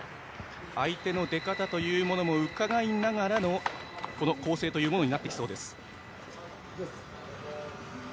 相手の出方というものもうかがいながらの構成となってきそうです。